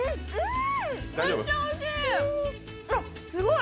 めっちゃおいしい。